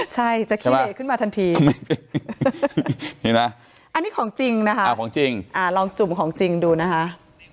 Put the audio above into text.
ใช่จะเคลียดขึ้นมาทันทีอันนี้ของจริงนะครับอ่าของจริงอ่าลองจุ่มของจริงดูนะฮะ